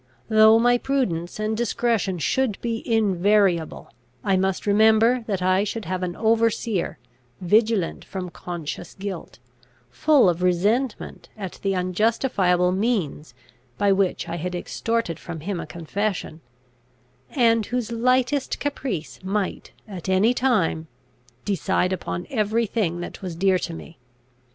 Though my prudence and discretion should be invariable, I must remember that I should have an overseer, vigilant from conscious guilt, full of resentment at the unjustifiable means by which I had extorted from him a confession, and whose lightest caprice might at any time decide upon every thing that was dear to me.